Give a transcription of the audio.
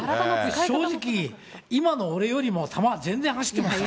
正直、今の俺よりも球、全然走ってます。